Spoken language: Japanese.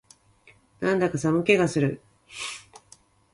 なんだか寒気がする